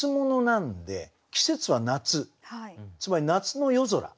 なんで季節は夏つまり夏の夜空。